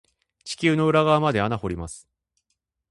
地球の裏側まで穴掘ります。